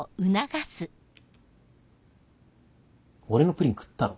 俺のプリン食ったろ。